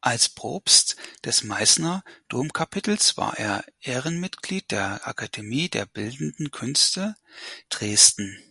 Als Propst des Meißner Domkapitels war er Ehrenmitglied der Akademie der Bildenden Künste Dresden.